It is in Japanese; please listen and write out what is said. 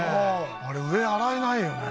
あれ上洗えないよね